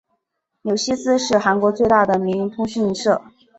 纽西斯是韩国最大的民营通讯社。